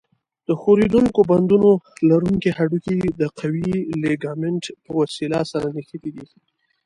د ښورېدونکو بندونو لرونکي هډوکي د قوي لیګامنت په وسیله سره نښتي دي.